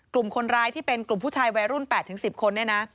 กลุ่มคนร้ายที่เป็นกลุ่มผู้ชายวัยรุ่น๘๑๐คนเนี่ยนะ